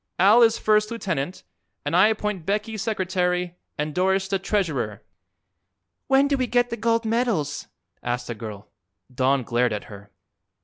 Al is first lieutenant, and I appoint Becky secretary and Doris the treasurer." "When do we get the gold medals?" asked a girl. Don glared at her.